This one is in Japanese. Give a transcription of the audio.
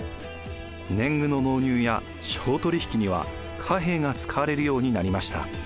年貢の納入や商取引には貨幣が使われるようになりました。